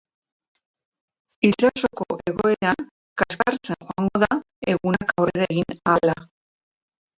Itsasoko egoera kaskartzen joango da, egunak aurrera egin ahala.